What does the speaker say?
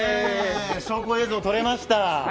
証拠映像、撮れました。